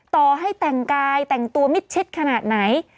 ต่อให้แต่งกายแต่งตัวมิดชิดขนาดไหน